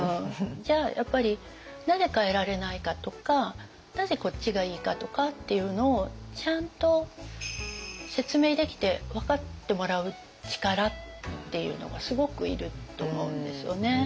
じゃあやっぱりなぜ変えられないかとかなぜこっちがいいかとかっていうのをちゃんと説明できて分かってもらう力っていうのがすごくいると思うんですよね。